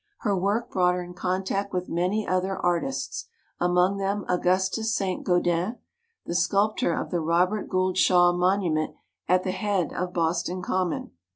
Her work brought her in contact with many other ar tists, among them Augustus St. Gaudens, the sculptor of the Robert Gould Shaw Monument at the head of Boston Common.